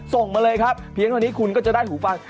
ส่งมาเลยครับเพียงเท่านี้คุณก็จะได้หูฟัง